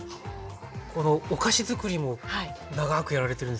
このお菓子づくりも長くやられてるんですか？